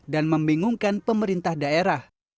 dan membingungkan pemerintah daerah